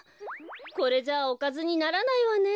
これじゃおかずにならないわね。